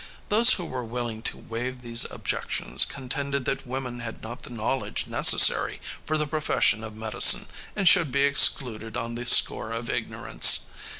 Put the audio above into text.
Those who were willing to waive these objections contended that women had not the knowledge necessary for the profession of medicine and should be excluded on the score of ignorance.